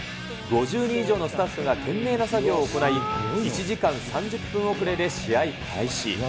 ５０人以上のスタッフが懸命な作業を行い、１時間３０分遅れで試合開始。